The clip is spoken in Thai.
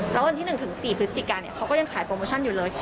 แล้ววันที่๑ถึง๔พฤศจิกาเขาก็ยังขายโปรโมชั่นอยู่เลย